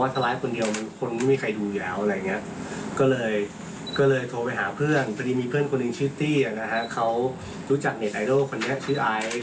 ที่เขารู้จักเน็ตไอดอลคนนี้ชื่อไอซ์